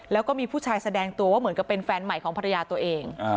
แล้วก็มีผู้ชายแสดงตัวว่าเหมือนกับเป็นแฟนใหม่ของภรรยาตัวเอง